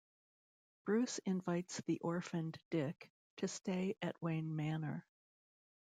Bruce invites the orphaned Dick to stay at Wayne Manor.